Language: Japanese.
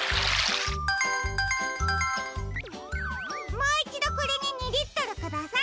もういちどこれに２リットルください。